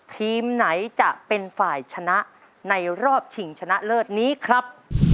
ทีมไหนจะเป็นฝ่ายชนะในรอบชิงชนะเลิศนี้ครับ